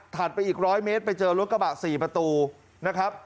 ไปอีก๑๐๐เมตรไปเจอรถกระบะ๔ประตูนะครับ